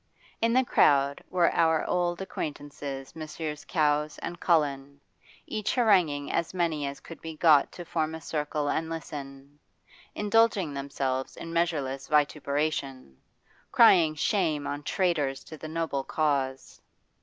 In the crowd were our old acquaintances Messrs. Cowes and Cullen, each haranguing as many as could be got to form a circle and listen, indulging themselves in measureless vituperation, crying shame on traitors to the noble cause.